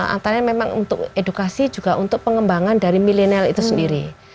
antara memang untuk edukasi juga untuk pengembangan dari milenial itu sendiri